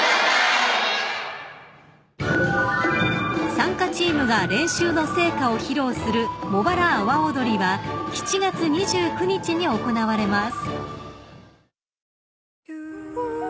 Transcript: ［参加チームが練習の成果を披露するもばら阿波おどりは７月２９日に行われます］